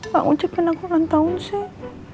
gak ngucapin aku berantahun sih